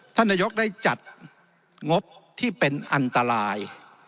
ท่านนายกได้จัดงบที่เป็นอันตราย